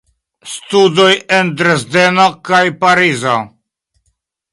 Studoj en Dresdeno kaj Parizo.